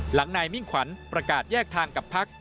หลังนายมิ่งขวัญประกาศแยกทางกับพัก